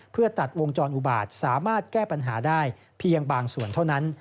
เพื่อตัดวงจรอุบาตสามารถแก้ปัญหาได้เพียงบางส่วนเท่านั้น